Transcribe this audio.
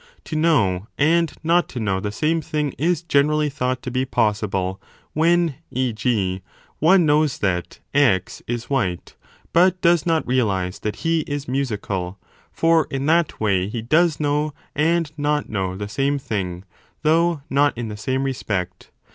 To know and not to know the same thing is generally thought to be possible, when e. g. one knows that 30 X is white, but does not realize that he is musical : for in that way he does know and not know the same thing, though not in the same respect.